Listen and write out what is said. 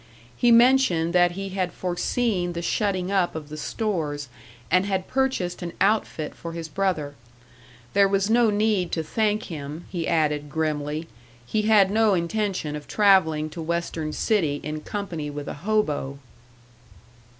He mentioned that he had foreseen the shutting up of the stores, and had purchased an outfit for his brother. There was no need to thank him, he added grimly; he had no intention of travelling to Western City in company with a hobo.